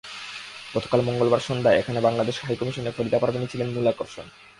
গতকাল মঙ্গলবার সন্ধ্যায় এখানে বাংলাদেশ হাইকমিশনে ফরিদা পারভীনই ছিলেন মূল আকর্ষণ।